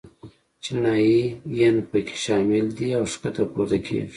چینایي ین په کې شامل دي او ښکته پورته کېږي.